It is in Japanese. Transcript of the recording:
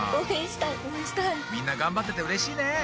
みんながんばっててうれしいね。